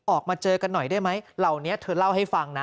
ออกมาเจอกันหน่อยได้ไหมเหล่านี้เธอเล่าให้ฟังนะ